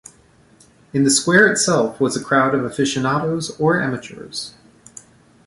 In the square itself was a crowd of aficionados or amateurs.